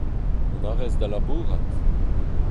Mont a rez da labourat.